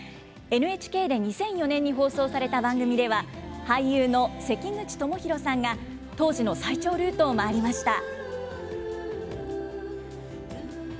ＮＨＫで２００４年に放送された番組では、俳優の関口知宏さんが、当時の最長ルートを回りました。